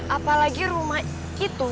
apalagi rumah itu